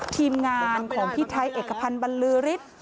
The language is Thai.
ทีมงานของพี่ไทยเอกพันธ์บรรลือฤทธิ์